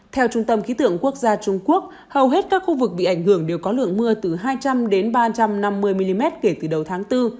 theo trung tâm khí tượng quốc gia trung quốc hầu hết các khu vực bị ảnh hưởng đều có lượng mưa từ hai trăm linh đến ba trăm năm mươi mm kể từ đầu tháng bốn